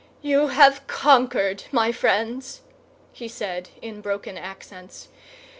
"You have conquered, my friends," he said in broken accents.